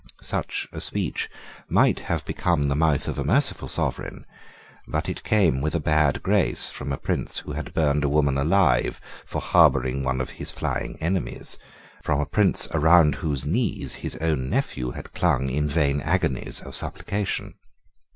Such a speech might have become the mouth of a merciful sovereign, but it came with a bad grace from a prince who had burned a woman alive for harbouring one of his flying enemies, from a prince round whose knees his own nephew had clung in vain agonies of supplication.